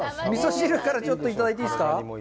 味噌汁からちょっといただいていいですか？